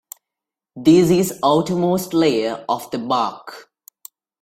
This is outermost layer of the bark.